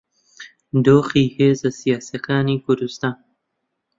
دۆخی هێزە سیاسییەکانی کوردستان